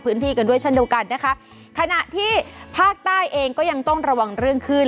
พื้นที่กันด้วยเช่นเดียวกันนะคะขณะที่ภาคใต้เองก็ยังต้องระวังเรื่องขึ้น